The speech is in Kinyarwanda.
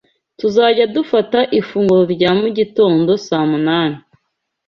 Tuzajya dufata ifunguro rya mugitondo saa munani.